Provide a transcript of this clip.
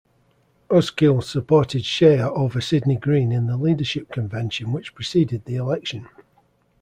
Uskiw supported Scheyer over Sidney Green in the leadership convention which preceded the election.